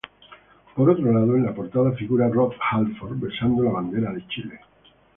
Por otro lado, en la portada figura Rob Halford besando la bandera de Chile.